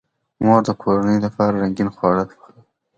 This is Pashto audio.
مور د کورنۍ لپاره رنګین خواړه پخوي.